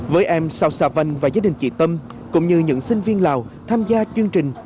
với em sao sa văn và gia đình chị tâm cũng như những sinh viên lào tham gia chương trình